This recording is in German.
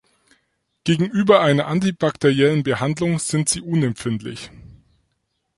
Gegenüber einer antibakteriellen Behandlung sind sie unempfindlich.